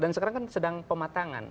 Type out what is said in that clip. dan sekarang kan sedang pematangan